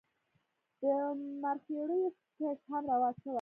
د مرخیړیو کښت هم رواج شوی.